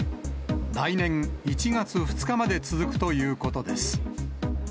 来年１月２日まで続くということです。